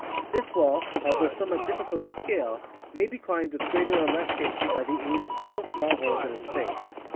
This wall, although somewhat difiicult to scale, may be climbed with greater or less safety by the aid of several small holes in its face.